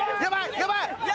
やばい！